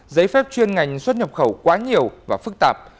giấy phép chuyên ngành xuất nhập khẩu quá nhiều và phức tạp